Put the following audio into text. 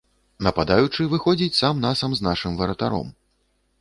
Нападаючы выходзіць сам на сам з нашым варатаром.